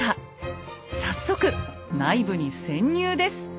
早速内部に潜入です。